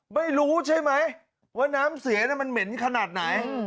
ไม่รู้ใช่ไหมว่าน้ำเสียมันเหม็นขนาดไหน